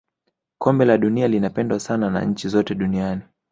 kombe la dunia linapendwa sana na nchi zote duniani